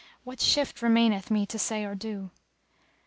* What shift remaineth me to say or do?